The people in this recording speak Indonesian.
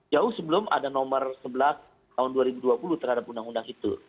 jauh sebelum ada nomor sebelas tahun dua ribu dua puluh terhadap undang undang itu